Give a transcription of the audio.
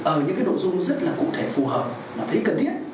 ở những nội dung rất là cụ thể phù hợp thấy cần thiết